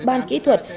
ban kỹ thuật